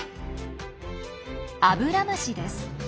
アブラムシです。